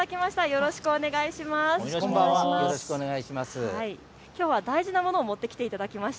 よろしくお願いします。